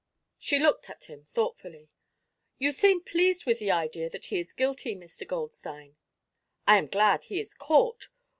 She looked at him thoughtfully. "You seem pleased with the idea that he is guilty, Mr. Goldstein." "I am glad he is caught.